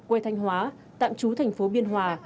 quê thanh hóa tạm trú thành phố biên hòa